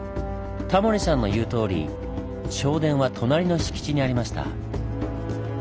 タモリさんの言うとおり正殿は隣の敷地にありました。